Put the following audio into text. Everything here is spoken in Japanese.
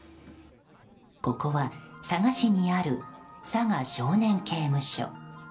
ここは佐賀市にある佐賀少年刑務所。